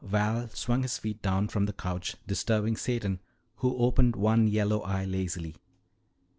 Val swung his feet down from the couch, disturbing Satan who opened one yellow eye lazily.